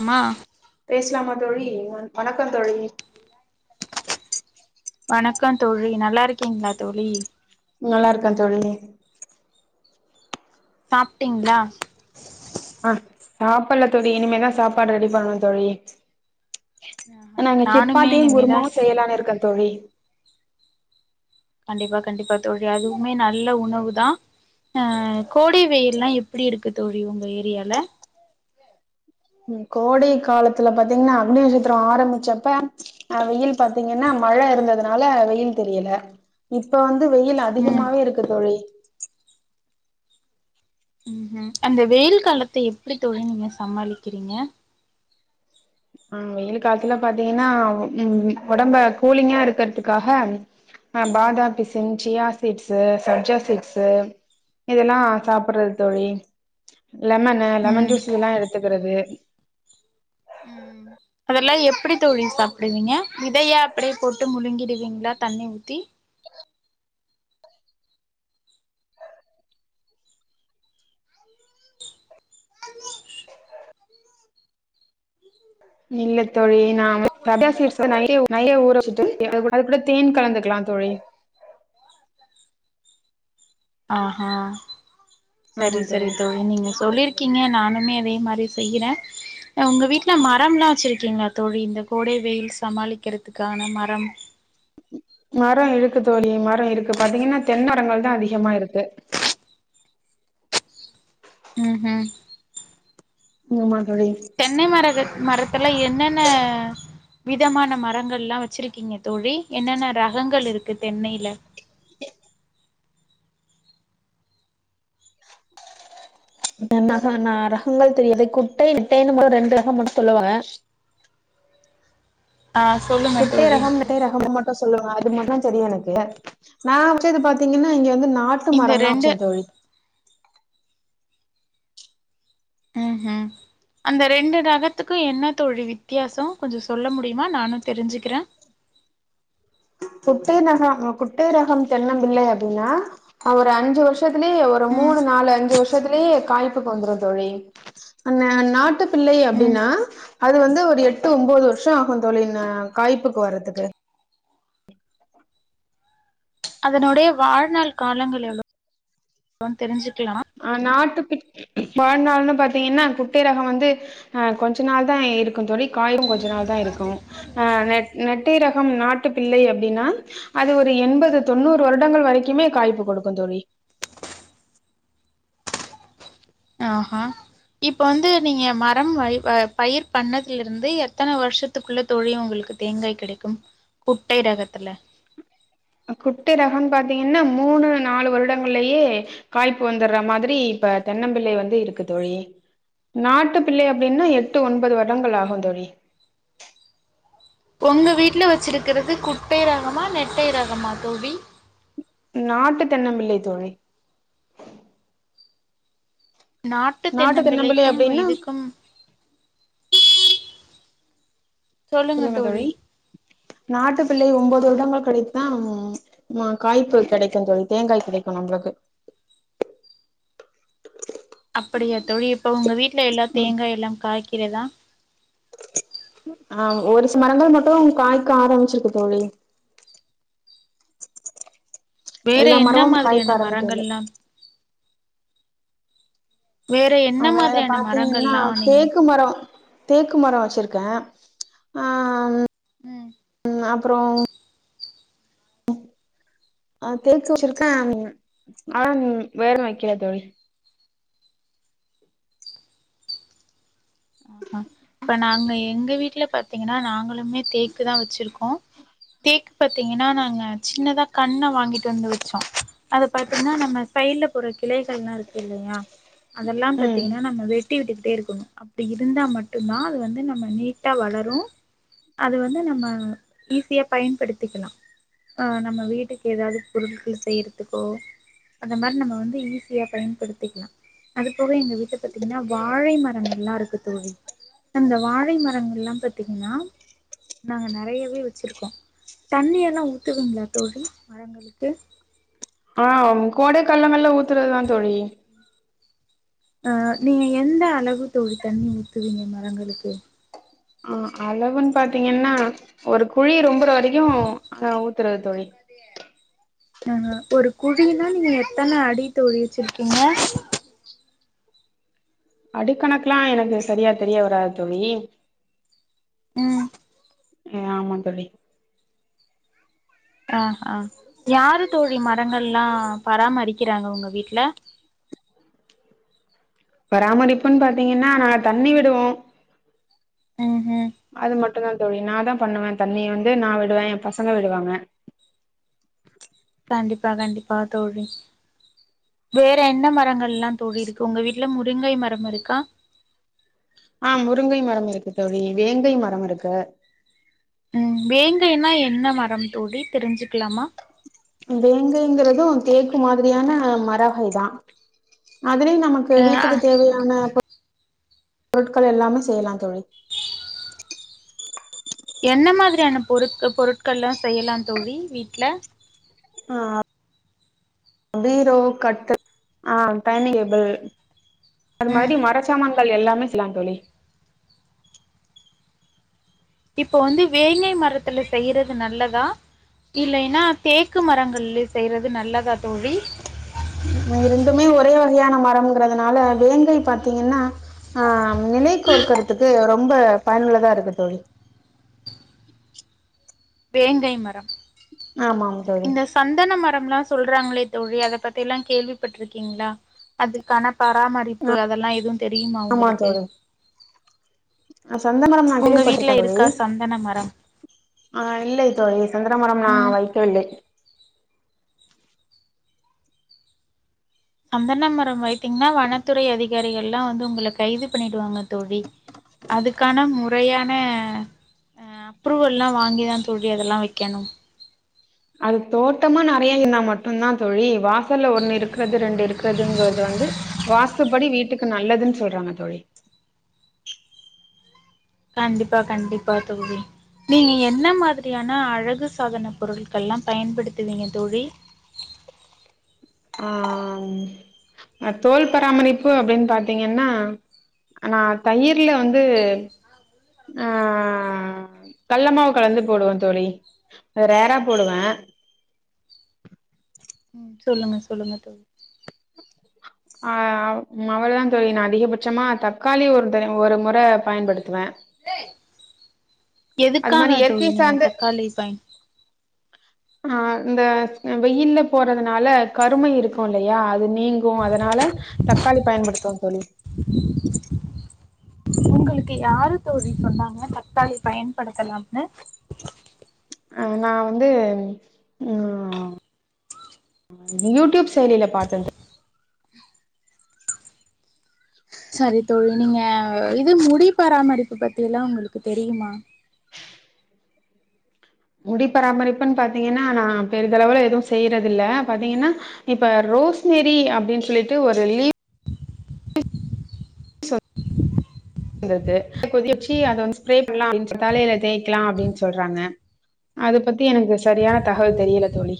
அம் மா பேசுலாமா தோழி வணக்கம் தோழி வணக்கம் தோழி நல்லா இருக்கீங்களா தோழி நல்லா இருக்கே தோழி சாப்டிங்ளா ஆ சாப்டல தோழி இனிமே தா சாப்பாடு ரெடி பண்ணணும் தோழி ஆஹா நா இங்க நானுமே சிப்பாத்தியும் இனிமேதா குருமாவும் செய்யலானு இருக்கே தோழி கண்டிப்பா கண்டிப்பா தோழி அதுவுமே நல்ல உணவு தா அ கோடை வெயில்லாம் எப்டி இருக்கு தோழி உங்க ஏரியால கோடை காலத்துல பாத்தீங்கனா அக்னி நட்சத்திரோ ஆரம்பிச்சப்ப அஹ் வெயில் பாத்தீங்கன்னா மழை இருந்ததுனால வெயில் தெரியல இப்ப வந்து வெயில் ம் அதிகமாவே இருக்கு தொழி ம்ஹும் அந்த வெயில் காலத்தை எப்படி தொழி நீங்க சமாளிக்கிறீங்க ஆஹ் வெயில் காலத்துல பாத்தீங்கன்னா உம் உடம்ப கூலிங்கா இருக்கிறதுக்காக ஆஹ பாதா பிசின் சியா சீட்ஸு சப்ஜா சீட்ஸு இதெல்லாம் சாப்பிடுறது தோழி லெமனு லெமன் ம் ஜூஸ் இதெல்லாம் எடுத்துக்கிறது அதெல்லாம் எப்படி தோழி சாப்பிடுவீங்க விதையா அப்படியே போட்டு முழுங்கிடுவீங்களா தண்ணி ஊத்தி இல்ல தோழி நாம சப்யா சீட்ஸ நைய நைய ஊறச்ச அதுகூட தேன் கலந்துக்கலாம் தோழி ஆஹ சரி சரி தோழி நீங்க சொல்லிருக்கீங்க நானுமே அதே மாதிரி செய்யறேன் உங்க வீட்டுல மரம் எல்லாம் வச்சிருக்கீங்களா தோழி இந்த கோடை வெயில் சமாளிக்கிறதுக்கான மரம் மரம் இருக்கு தோழி மரம் இருக்கு பாத்தீங்கன்னா தென்னரங்கள் தான் அதிகமா இருக்கு ம் ஹும் இனிமதா தோழி தென்னை மர மரத்துல என்னென்ன விதமான மரங்கள்லாம் வச்சிருக்கீங்க தோழி என்னென்ன ரகங்கள் இருக்கு தென்னையில என்க ரகங்கள் தெரியாது குட்டை நெட்டைன்னு மட்டும் ரெண்டு ரகம் மட்டும் சொல்லுவாங்க ஆ சொல்லுங்க குட்டை தோழி ரகம் குட்டை ரகம்ன்னு மட்டும் சொல்லுவாங்க அது மட்டும் தான் தெரியும் எனக்கு நா வச்சது பாத்தீங்கன்னா இங்க வந்து நாட் ட்டு இந்த மரம் தான் ரெண்டு வச்சன் தோழி ம் உம் அந்த ரெண்டு ரகத்துக்கும் என்ன தோழி வித்தியாசம் கொஞ்சம் சொல்ல முடியுமா நானும் தெரிஞ்சிக்கிறேன் குட்டை ரகம் குட்டை ரகம் தென்னம் பிள்ளை அப்டின்னா ஒரு அஞ்சு வருஷத்துலயே ஒரு ம் மூணு நாலு அஞ்சு வருஷத்துலயே காய்ப்புக்கு வந்துரும் தோழி அ நாட்டு பிள்ளை ம் அப்டின்னா அது வந்து ஒரு எட்டு ஒன்பது வருஷம் ஆகும் தோழி காய்ப்புக்கு வர்றதுக்கு அதனுடைய வாழ்நாள் காலங்கள் எவ்வளவுனனு தெரிஞ்சுக்கலாமா ஆ நாட்டு வாழ்நாள்ன்னு பாத்தீங்கன்னா குட்டை ரகம் வந்து ஆ கொஞ்ச நாள் தான் இருக்கும் தோழி காயும் கொஞ்ச நாள் தான் இருக் க்கும் அ நெட் நெட்டை ரகம் நாட்டு பிள்ளை அப்படின்னா அது ஒரு எண்பது தொண்ணூறு வருடங்கள் வரைக்குமே காய்ப்பு குடுக்கும் தோழி ஆஹா இப்ப வந்து நீங்க மரம் பயிர் பண்ணதுலருந்து எத்தன வருஷத்து த்துக்குள்ள தோழி உங்களுக்கு தேங்காய் கிடைக்கும் குட்டை ரகத்துல குட்டை ரகம் பாத்தீங்கன்னா மூணு நாலு வருடங்கள்லையே காய்ப்பு வந்துர்ற மாதிரி இப்ப தென்னம்பிள்ளை வந்து இருக்கு தோழி நாட்டு பிள்ளை அப்படின்னா எட்டு ஒன்பது வருடங்கள் ஆகும் தோழி உங்க வீட்டுல வச்சிருக்குறது குட்டை ரகமா நெட்டை ரகமா தோழி நாட்டு தென்னம்பிள்ளை தோழி நாட்டு தென்னம்பிள்ளை தென்னம்பிள்ளைக்கும் அப்டின்னா இதுக்கும் சொல்லுங்க தோழி நாட்டு பிள்ளை ஒன்பது வருடங்கள் கழித்துத்தான் ஆமா காய்ப்பு கெடைக்கும் தோழி தேங்காய் கிடைக்கும் நம்மளுக்கு அப்படியா தோழி இப்ப உங்க வீட்ல எல்லா ம் தேங்காய் எல்லாம் காய்க்கிறதா ஆ ஒரு சில மரங்கள் மட்டும் காய்க்க ஆரம்பிச்சிருக்கு தோழி வேற எல்லா என்ன மரமும் காய்க்க மாதிரியான ஆரம்பிக்கவில்லை மரங்கள்ல்லாம் வேற என்ன வேற மாதிரியான பாத்தீங்கன்னா மரங்கள்லா நீங்க தேக்கு மரம் தேக்கு மரம் வச்சிருக்கேன் ஆ உம் உம் அப்புறம் அ தேக்கு வச்சிருக்கேன் அதான் வேற வைக்கல தோழி ஆ இப்ப நாங்க எங்க வீட்டுல பாத்தீங்கன்னா நாங்களுமே தேக்கு தான் வச்சிருக்கோம் தேக்கு பாத்தீங்கன்னா நாங்க சின்னதா கண்ண வாங்கிட்டு வந்து வச்சோம் அத பாத்தீங்கன்னா நம்ம சைட்ல போற கிளைகள்ல்லாம் இருக்கு இல்லையா அதெல்லாம் ம் பாத்தீங்கன்னா நம்ம வெட்டி விட்டுக்கிட்டே இருக்கணும் அப்படி இருந்தா மட்டும்தான் அது வந்து நம்ம நீட்டா வளரும் அது வந்து நம்ம ஈஸியா பயன்படுத்திக்கலாம் ஆ நம்ம வீட்டுக்கு ஏதாவது பொருட்கள் செய்யிறதுக்கோ அந்த மாரி நம்ம வந்து ஈஸியா பயன்படுத்திக்லா அது போக எங்க வீட்ட பாத்தீங்ன்னா வாழை மரங்கள் எல்லாருக் க்கு தோழி அந்த வாழை மரங்கள் எல்லாம் பாத்தீங்கன்னா நாங்க நெறையவே வெச்சிருக்கோ தண்ணியெல்லா ஊத்துவீங்களா தோழி மரங்களுக்கு ஆ கோடை காலம்மெல்லா ஊத்துறதுதான் தோழி அ நீங்க எந்தளவு தோழி தண்ணி ஊத்துவீங்க மரங்களுக்கு ஆ அளவுன்னு பாத்தீங்ன்னா ஒரு குழி ரொம்பற வரைக்கு அ ஊத்துறது தோழி ஆ ஒரு குழின்னா நீங்க எத்தன அடி தோழி வெச்சிருக்கீங்க அடிக்கணக்லா எனக்கு சரியா தெரிய வராத் தோழி ம் ம் ஆமா தோழி ஆ ஆ யார் தோழி மரங்கள்லா பராமரிக்கிறாங்க உங்க வீட்டுல பராமரிப்புன் பாத்தீங்கன்னா நாங்க தண்ணி விடுவோ ம் ம் அது மட்டுந்தா தோழி நா தா பண்ணுவே தண்ணிய வந்து நா விடுவே எ பசங்க விடுவாங்க கண்டிப்பா கண்டிப்பா தோழி வேற என்ன மரங்கள்ல்லா தோழி இருக்கு உங்க வீட்ல முருங்கை மரம் இருக்கா ஆ முருங்கை மரம் இருக்கு தோழி வேங்கை மரம் இருக்கு ம் வேங்கைன்னா என்ன மரம் தோழி தெரிஞ்சுக்கலாமா வேங்கைங்கறது தேக்கு மாதிரியான மரகைதா அதிலி நம க்கு அ அ வீட்டுக்கு தேவையான பொருட் பொருட்கள் எல்லாமே செய்லா தோழி என்ன மாதிரியான பொருட்க் பொருட்கள்லா செய்யலாம் தோழி வீட்ல ஆ பீரோ கட்டில் அ டைனிங் டேபிள் அந்த ம் மாரி மரச்சாமான் கள் எல்லாமே செய்லாந் தோழி இப்போ வந்து வேங்கை மரத்துல செய்யறது நல்லதா இல்லைன்னா தேக்கு மரங்கள்லே செய்றது நல்லதா தோழி இரண்டுமே ஒரே வகையான மரம்ங்கிறதுனால வேங்கை பாத்தீங்கன்னா ஆ நிலை கோர்க்கறதுக்கு ரொம்ப பயனுள்ளதா இருக்கு தோழி வேங்கை மரம் ஆமாம் தோழி இந்த சந்தன மரம்ல்லா சொல்றாங்களே தோழி அத பத்தி எல்லா கேள்விப்பட்டிருக்கீங்ளா அதுக்கான பராமரிப்பு அதெல்லா எதுவு தெரியுமா உங்களுக்கு அ சந்தமரம் நா உங்க வீட்ல கேள்விபட்ருக்கே தோழி இருக்கா சந்தன மரம் ஆ இல்லை தோழி சந்தன மரம் நா ம் வைக்கவில்லை சந்தன்ன மரம் வைத்தீங்ன்னா வனத்துறை அதிகாரிகள்லா வந்து உங்கள கைது பண்ணிடுவாங்க தோழி அதுக்கான மு றையான அ அப்ரூவல்லா வாங்கி தா தோழி அதெல்லா வைக்கணு அது தோட்டமா நெறையா இருந்தா மட்டுந்தா தோழி வாசல்ல ஒண்ணு இருக்கிறது ரெண்டு இருக்கிறதுங்கறது வந்து வாஸ்துபடி வீட்டுக்கு நல்லதுன் சொல்றாங்க தோழி கண்டிப்பா கண்டிப்பா தோழி நீங்க என்ன மாதிரியான அழகு சாதன பொருட்கள்லா பயன்படுத்துவீங்க தோழி ஆ தோல் பராமரிப்பு அப்டின் பாத்தீங்கன்னா நா தயிர்ல வந்து ஆ கள்ளமாவு கலந்து போடுவந் தோழி ரேரா போடுவே ம் சொல்லுங்க சொல்லுங்க தோழி அ ம் அவள தான் தோழி நா அதிகபட்சமா தக்காளி ஒரு ஒரு முறை பயன்படுத்துவே [unintelligible] அது மாரி எதுக்காக இயற்கை தோழி நீங்க சார்ந்த தக்காளி பயன் [inaudible] அ இந்த வெயில் போறதுனால கருமை இருக்கும் இல்லையா அது நீங்க கும் அதனால தக்காளி பயன்படுத்துவாங்க தோழி [inaudible] உங்களுக்கு யாரு தோழி சொன்னாங்க தக்காளி பயன்படுத்தலாம்னு ஆ நான் வந்து ம் யூடியூப் செயலிய பாத்தே தோழி சரி தோழி நீங்க இது முடி பராமரிப்பு பத்தி எல்லா உங்களுக்கு தெரியுமா முடி பராமரிப்புன்னு பாத்தீங்கன்னா நான் பெரிதளவுல எதுவும் செய்யறது இல்ல பாத்தீங்கன்னா இப்ப ரோஸ்மெரி அப்டின்னு சொல்லிட்டு ஒரு லீவ் [inaudible] இந்ததுக்கு கொதிக்க வச்சு அத வந்து ஸ்ப்ரே பண்ணலா [unintelligible] தலயில தேய்கலாம் அப்டின்னு சொல்றாங்க இது பத்தி எனக்கு சரியான தகவல் தெரியல தோழி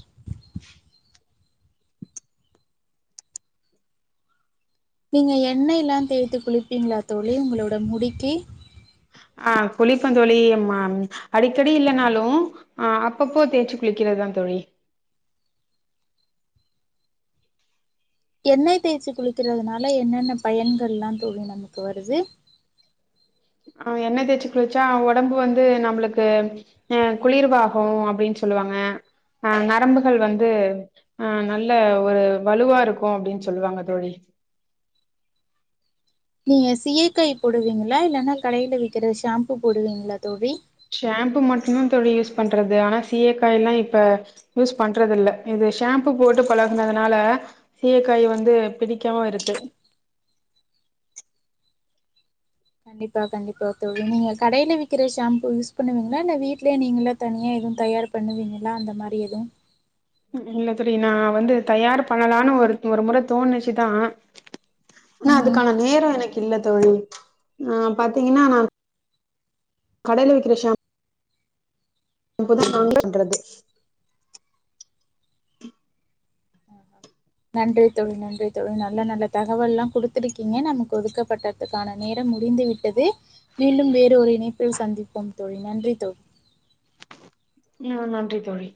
நீங்கள் எண்ணெய்ல்லா தேய்த்து குளிப்பீங்களா தோழி உங்களோட முடிக்கு அ குளிப்பே தோழி அடிக்கடி இல்லனாலு அ அப்பப்போ தேய்ச்சு குளிக்கிறதுதா தோழி எண்ணெய் தேய்ச்சு குளிக்கிறதுனால என்னென்ன பயன்கள்ல்லாம் தோழி நமக்கு வருது என்ன தேய்ச்சு குளிச்சா ஒடம்பு வந்து நம்மளுக்கு அ குளிர்வாகம் அப்டின்னு சொல்லுவாங்க அ நரம்புகள் வந்து அநல்ல ஒரு வலுவா இருக்கு அப்டின்னு சொல்லுவாங்க தோழி நீங்க சீயக்காய் போடுவீங்களா இல்லன்னா கடையில விக்கிற ஷாம்பு போடுவீங்களா தோழி ஷாம்பு மட்டும்தா தோழி யூஸ் பண்றது ஆனா சீயக்காய்ல்லா இப்ப யூஸ் பண்றது இல்ல இது ஷாம்பு போட்டு பழகுனதுனால சீயக்காய் வந்து பிடிக்காம இருக்கு கண்டிப்பா கண்டிப்பா தோழி நீங்க கடைல விக்கிற ஷாம்பு யூஸ் பண்ணுவீங்களா இல்ல வீட்லயே நீங்களே தனியா எதுவு தயார் பண்ணுவீங்களா அந்த மாரி எதுவு இல்ல தோழி நா வந்து தயார் பண்ணலான்னு ஒரு ஒரு முறை தோணுச்சுதா ஆனா ம் அதுக்கான நேரம் எனக்கு இல்ல தோழி அ பாத்தீங்கன்னா நான் கடையில விக்கிற ஷாம்பு இப்பதா நாங்களே பண்றது [inaudible] [inaudible] நன்றி தோழி நன்றி தோழி நல்ல நல்ல தகவல் எல்லா கொடுத்திருக்கீங்க நமக்கு ஒதுக்கப்பட்டதுக்கான நேரம் முடிந்து விட்டு [unintelligible] மீண்டும் வேறொரு இணைப்பில் சந்திப்போம் தோழி நன்றி தோழி ம் நன்றி தோழி